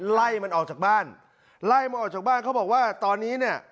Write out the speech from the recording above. ไล่มันออกจากบ้านไล่มันออกจากบ้านเขาบอกว่าตอนนี้เนี่ย